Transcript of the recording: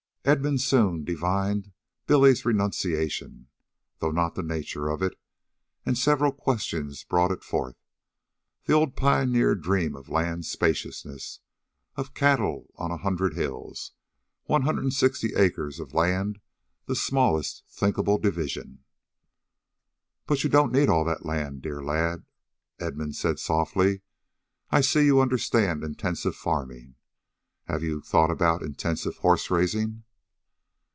Edmund soon divined Billy's renunciation, though not the nature of it; and several questions brought it forth the old pioneer dream of land spaciousness; of cattle on a hundred hills; one hundred and sixty acres of land the smallest thinkable division. "But you don't need all that land, dear lad," Edmund said softly. "I see you understand intensive farming. Have you thought about intensive horse raising?"